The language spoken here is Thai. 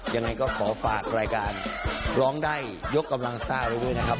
ยังไงก็ขอฝากรายการร้องได้ยกกำลังซ่าไว้ด้วยนะครับ